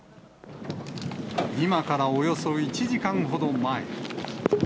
今からおよそ１時間ほど前。